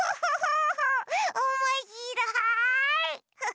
おもしろい！